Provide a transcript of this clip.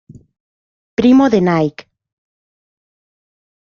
Primo de Nike.